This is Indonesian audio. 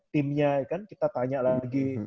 timnya kita tanya lagi